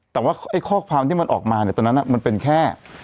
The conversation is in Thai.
แต่ว่าไอ้ข้อความที่มันออกมาเนี่ยตอนนั้นมันเป็นแค่